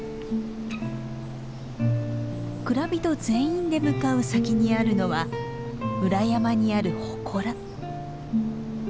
蔵人全員で向かう先にあるのは裏山にあるほこら。